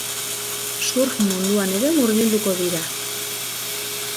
Surf munduan ere murgilduko dira.